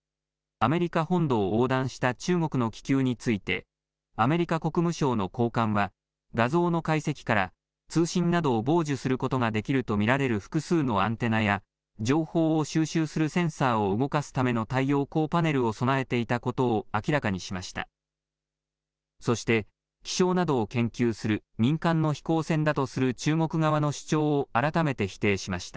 アメリカ本土を横断した中国の気球について、アメリカ国務省の高官は、画像の解析から、通信などを傍受することができると見られる複数のアンテナや、情報を収集するセンサーを動かすための太陽光パネルを備えていたことを明らかにしました。